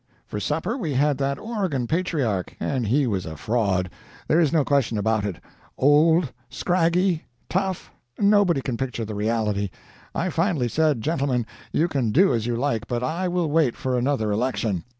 For supper we had that Oregon patriarch, and he was a fraud, there is no question about it old, scraggy, tough, nobody can picture the reality. I finally said, gentlemen, you can do as you like, but I will wait for another election.